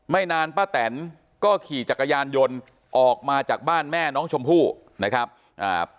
นานป้าแตนก็ขี่จักรยานยนต์ออกมาจากบ้านแม่น้องชมพู่นะครับอ่า